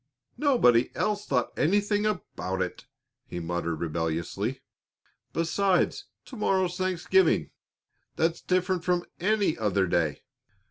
"Nobody else thought anything about it!" he muttered rebelliously. "Besides, to morrow's Thanksgiving; that's different from any other day."